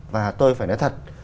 và tôi phải nói thật